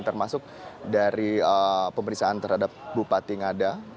termasuk dari pemeriksaan terhadap bupati ngada